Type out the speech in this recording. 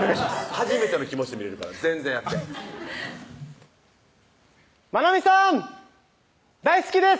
初めての気持ちで見れるから全然やって「愛海さん！大好きです！」